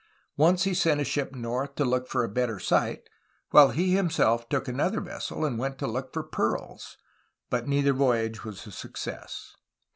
Once he sent a ship north to look for a better site, while he himself took finother vessel and went to look for pearls, but neither voyage was a success.